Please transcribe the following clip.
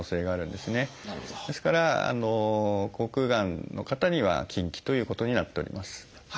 ですから口腔がんの方には禁忌ということになっております。